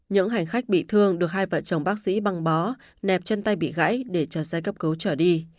những hành khách bị thương được hai vợ chồng bác sĩ băng bó nẹp chân tay bị gãy để chờ xe cấp cứu trở đi